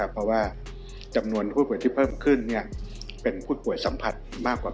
เพราะว่าจำนวนผู้ป่วยที่เพิ่มขึ้นเป็นผู้ป่วยสัมผัสมากกว่า